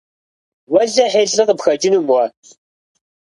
Уэлэхьи, лӀы къыпхэкӀынум уэ.